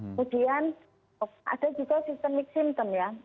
kemudian ada juga sistemik symptom ya